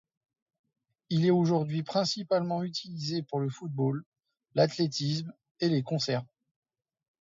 Il est aujourd'hui principalement utilisé pour le football, l'athlétisme et les concerts.